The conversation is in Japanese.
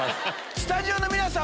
スタジオの皆さん